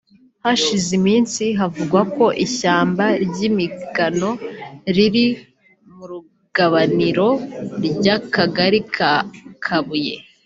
Hashize iminsi havugwa ko ishyamba ry’imigano riri mu rugabaniro ry’akagari ka Kabuye